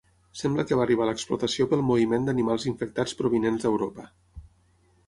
Sembla que va arribar a l’explotació pel moviment d’animals infectats provinents d’Europa.